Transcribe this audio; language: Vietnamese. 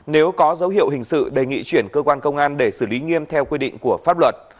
nếu có dấu hiệu hình sự đề nghị chuyển cơ quan công an để xử lý nghiêm theo quy định của pháp luật